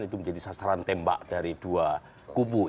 itu menjadi sasaran tembak dari dua kubu